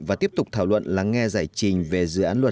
và tiếp tục thảo luận lắng nghe giải trình về dự án luật